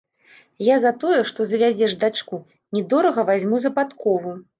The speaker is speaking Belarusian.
Я за тое, што завязеш дачку, не дорага вазьму за падкову.